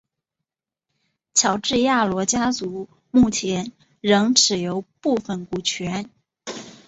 乔治亚罗家族目前仍持有部份股权。